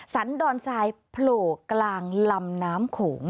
สรรค์ดอนไซด์โผล่กลางลำน้ำขง